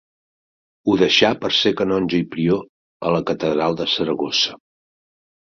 Ho deixà per ser canonge i prior a la catedral de Saragossa.